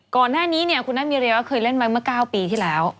ก่อนนี้เนี่ยคุณนัทมิเราเคยได้เล่นเมื่อเก้าปีที่แล้ว